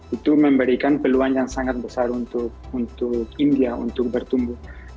itu memberikan peluang yang sangat besar untuk india untuk bertumbuh